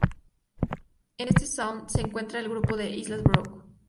En este sound se encuentra el grupo de Islas Broken.